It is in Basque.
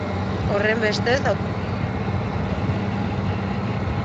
Horrenbestez, auzitegian ez da kazetaririk izango.